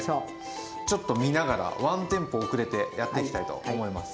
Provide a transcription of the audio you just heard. ちょっと見ながらワンテンポ遅れてやっていきたいと思います。